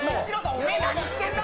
お前何してんだ！